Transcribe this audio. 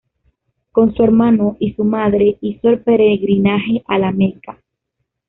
Con su hermano y su madre hizo el peregrinaje a la Meca.